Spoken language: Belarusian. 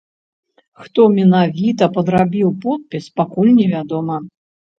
Хто менавіта падрабіў подпіс, пакуль не вядома.